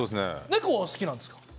猫はお好きなんですか？